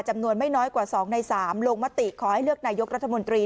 จำนวนไม่น้อยกว่า๒ใน๓ลงมติขอให้เลือกนายกรัฐมนตรี